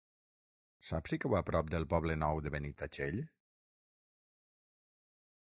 Saps si cau a prop del Poble Nou de Benitatxell?